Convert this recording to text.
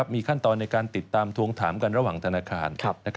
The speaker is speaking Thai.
มีขั้นตอนในการติดตามทวงถามกันระหว่างธนาคาร